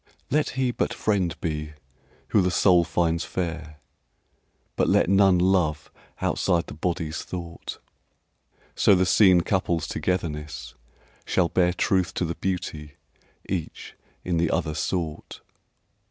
Let he but friend be who the soul finds fair, But let none love outside the body's thought, So the seen couple's togetherness shall bear Truth to the beauty each in the other sought.